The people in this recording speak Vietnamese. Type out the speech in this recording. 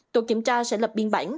tổ kiểm tra sẽ lập biên bản